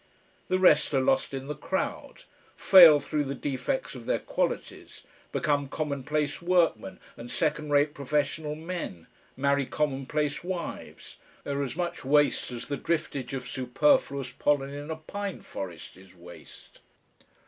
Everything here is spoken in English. The rest are lost in the crowd, fail through the defects of their qualities, become commonplace workmen and second rate professional men, marry commonplace wives, are as much waste as the driftage of superfluous pollen in a pine forest is waste."